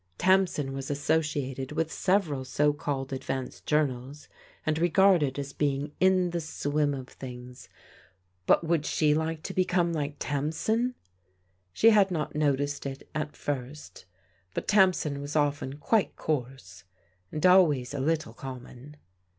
Tamsin was associated with several so called advanced journals and regarded as being in the swim of things : but would she like to become like Tam sin? She had not noticed it at first, but Tamsin was often quite coarse, and always a little common.